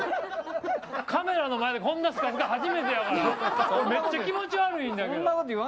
カメラの前でこんなすかすか初めてやからめっちゃ気持ち悪いんだけど。